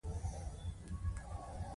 څو ډوله نومځري پيژنئ.